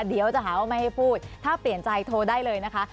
เดี๋ยวจะหาว่าไม่ให้พูดถ้าเปลี่ยนใจโทรได้เลยนะคะ